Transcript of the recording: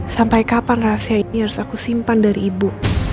sampai kapan rahasia ini harus aku simpan dari ibu